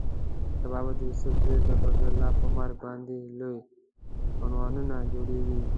سبا به د یوسف زو د فضل الله پر مرګ باندې لوی عنوانونه جوړېږي.